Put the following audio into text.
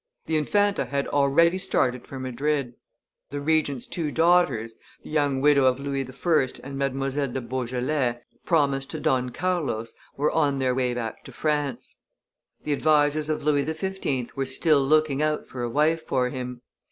The Infanta had already started for Madrid; the Regent's two daughters, the young widow of Louis I. and Mdlle. de Beaujolais, promised to Don Carlos, were on their way back to France; the advisers of Louis XV. were still looking out for a wife for him.